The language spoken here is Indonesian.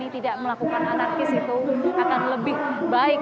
tidak melakukan anarkis itu akan lebih baik